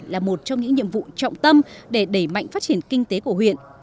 là một trong những nhiệm vụ trọng tâm để đẩy mạnh phát triển kinh tế của huyện